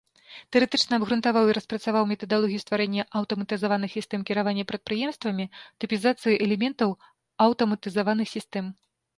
Тэарэтычна абгрунтаваў і распрацаваў метадалогію стварэння аўтаматызаваных сістэм кіравання прадпрыемствамі, тыпізацыі элементаў аўтаматызаваных сістэм.